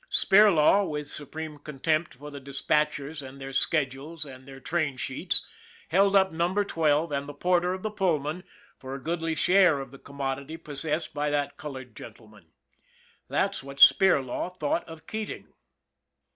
Spir law, with supreme contempt for the dispatchers and their schedules and their train sheets, held up Number Twelve and the porter of the Pullman for a goodly share of the commodity possessed by that colored gentleman. That's what Spirlaw thought of Keating.